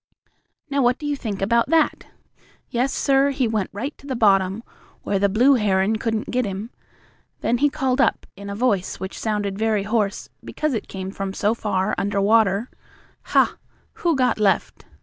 Now, what do you think about that? Yes, sir, he went right to the bottom, where the blue heron couldn't get him, and then he called up, in a voice which sounded very hoarse because it came from so far under water: "Ha! Who got left?"